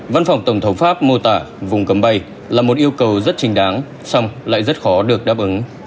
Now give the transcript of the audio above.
văn phòng tổng thống pháp mô tả vùng cấm bay là một yêu cầu rất trình đáng xong lại rất khó được đáp ứng